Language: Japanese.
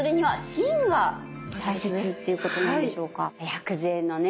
薬膳のね